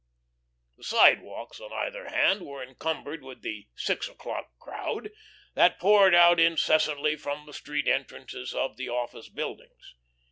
The sidewalks on either hand were encumbered with the "six o'clock crowd" that poured out incessantly from the street entrances of the office buildings.